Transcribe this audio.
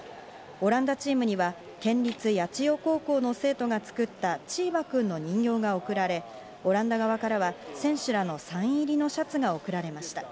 オランダチームには県立八千代高校の生徒が作ったチーバくんの人形が贈られ、オランダ側からは選手らのサイン入りのシャツが贈られました。